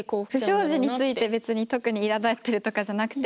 不祥事について別に特にいらだってるとかじゃなくて。